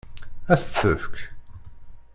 Ad s-tt-tefk?